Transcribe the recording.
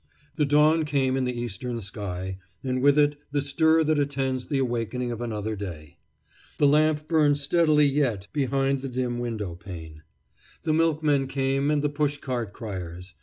The dawn came in the eastern sky, and with it the stir that attends the awakening of another day. The lamp burned steadily yet behind the dim window pane. The milkmen came, and the push cart criers.